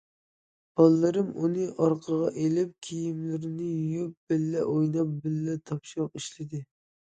بالىلىرىم ئۇنى ئارىغا ئېلىپ، كىيىملىرىنى يۇيۇپ، بىللە ئويناپ، بىللە تاپشۇرۇق ئىشلىدى.